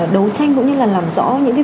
đấu tranh cũng như là làm rõ